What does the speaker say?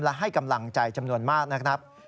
และให้กำลังใจจำนวนมากนะครับ